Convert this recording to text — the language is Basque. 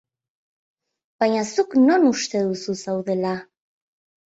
Baina zuk non uste duzu zaudela?